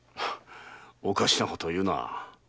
おかしなことを言うな。